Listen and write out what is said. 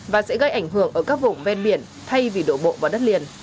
và sẽ gây ảnh hưởng ở các vùng ven biển thay vì đổ bộ vào đất liền